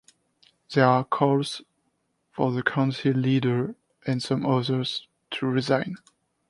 There are calls for the council leader and some others to resign.